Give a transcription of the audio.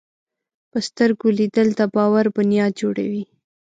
په سترګو لیدل د باور بنیاد جوړوي